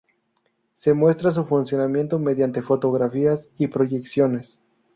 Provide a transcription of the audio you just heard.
Se muestra su funcionamiento mediante fotografías y proyecciones.